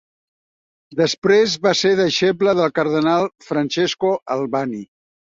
Després va ser deixeble del cardenal Francesco Albani.